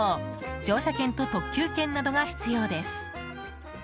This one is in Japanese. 乗車券と特急券などが必要です。